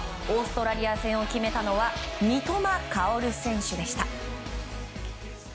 オーストラリア戦を決めたのは三笘薫選手でした。